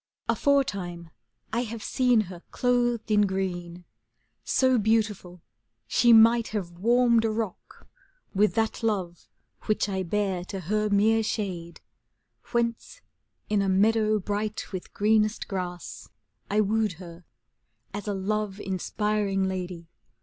Aforetime I have seen her clothed in green, ^ So beautiful, she might have warmed a rock With that Love which I bear to her mere shade ; Whence in a meadow bright with greenest grass, I wooed her, as a love inspiring lady.